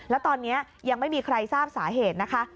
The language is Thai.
แล้วตอนนี้ยังไม่มีใครทราบสาเหตุนะคะ